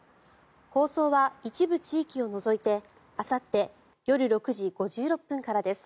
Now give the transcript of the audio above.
放送は一部地域を除いてあさって夜６時５６分からです。